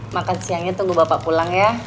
makan siangnya tunggu bapak pulang ya